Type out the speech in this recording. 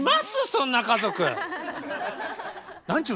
そんな家族。